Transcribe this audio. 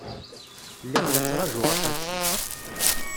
Lliɣ la ttṛajuɣ aṭaksi.